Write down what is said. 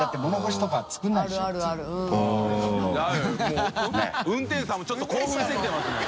發運転手さんもちょっと興奮してきてますね。